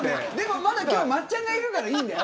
まだ今日、松ちゃんがいるからいいんだよ。